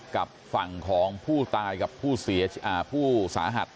กับฝั่งของผู้ตายกับผู้สาหัส